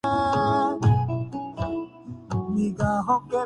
تبدیلی کے خیال کو نا پسند کرتا ہوں